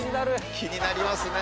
気になりますね